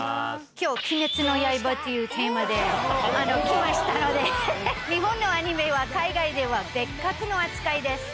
きょう、鬼滅の刃というテーマで来ましたので、日本のアニメは、海外では別格の扱いです。